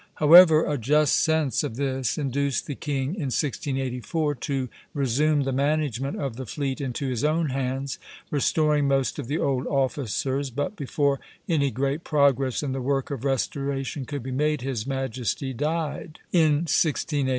However, a just sense of this induced the king, in 1684, to resume the management of the fleet into his own hands, restoring most of the old officers; but before any great progress in the work of restoration could be made, his Majesty died," in 1685.